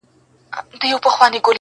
شیرینی به یې لا هم ورته راوړلې!!